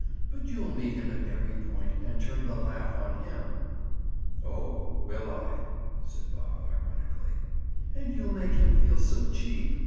"But you'll meet him at every point and turn the laugh on him." "Oh, will I?" said Bob ironically. "And you'll make him feel so cheap!